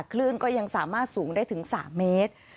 คลื่นก็ยังสามารถสูงได้ถึง๓เมตร